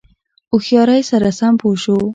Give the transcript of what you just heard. هوښیاری سره سم پوه شو.